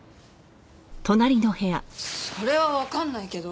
それはわかんないけど。